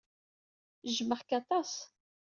Jjmeɣ-k aṭas.